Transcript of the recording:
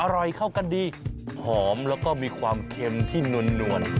อร่อยเข้ากันดีหอมแล้วก็มีความเค็มที่นวล